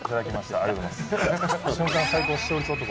ありがとうございます。